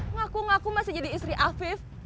ngaku ngaku masih jadi istri afif